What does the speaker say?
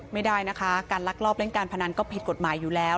ไม่ได้นะคะการลักลอบเล่นการพนันก็ผิดกฎหมายอยู่แล้ว